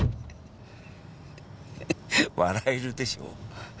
笑えるでしょう？